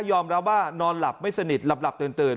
ยอมรับว่านอนหลับไม่สนิทหลับหลับเตินเติน